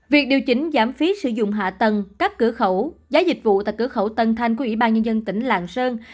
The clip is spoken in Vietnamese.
việc điều chỉnh giảm phí sử dụng hạ tầng các cửa khẩu giá dịch vụ tại cửa khẩu tân thanh của ủy ban nhân dân tỉnh lạng sơn